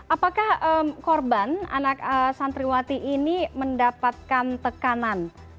apakah korban anak santriwati ini mendapatkan tekanan